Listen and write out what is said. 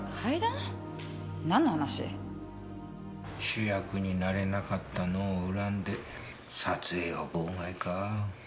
主役になれなかったのを恨んで撮影を妨害か。